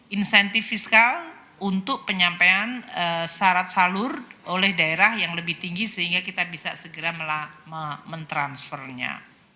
insentif fiskal untuk penyampaian syarat salur oleh daerah yang lebih tinggi sehingga kita bisa segera mentransfernya